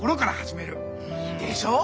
でしょう？